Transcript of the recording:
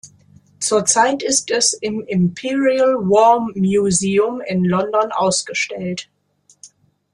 Zurzeit ist es im Imperial War Museum in London ausgestellt.